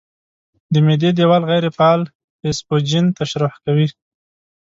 د معدې دېوال غیر فعال پیپسوجین ترشح کوي.